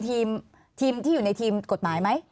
ทีมที่อยู่ในทีมกฎหมายไหม